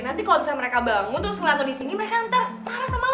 nanti kalo bisa mereka bangun terus ngeliat lo disini mereka ntar marah sama lo